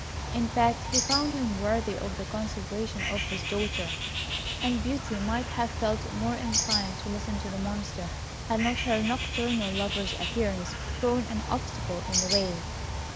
In fact, he found him worthy of the consideration of his daughter, and Beauty might have felt more inclined to listen to the Monster, had not her nocturnal lover's appearance thrown an obstacle in the way.